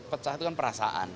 pecah itu kan perasaan